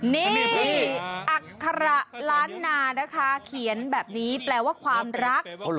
นี่อัคระล้านนานะคะเขียนแบบนี้แปลว่าความรัก